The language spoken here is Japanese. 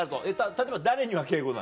例えば誰には敬語なの？